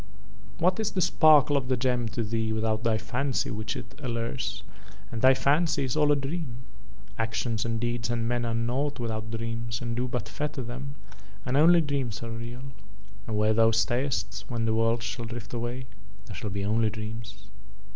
What is the sparkle of the gem to thee without thy fancy which it allures, and thy fancy is all a dream. Action and deeds and men are nought without dreams and do but fetter them, and only dreams are real, and where thou stayest when the worlds shall drift away there shall be only dreams."